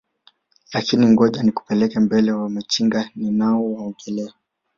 Lakin ngoja nikupeleke mbele Wamachinga ninao waongelea